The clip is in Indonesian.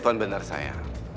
orang tuh pada